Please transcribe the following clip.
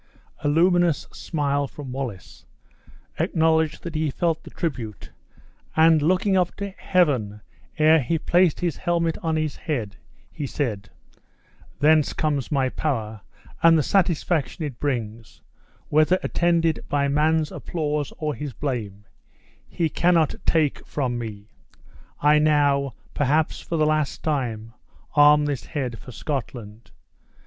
A luminous smile from Wallace acknowledged that he felt the tribute and, looking up to Heaven ere he placed his helmet on his head, he said: "Thence comes my power! and the satisfaction it brings, whether attended by man's applause or his blame, he cannot take from me. I now, perhaps for the last time, arm this head for Scotland.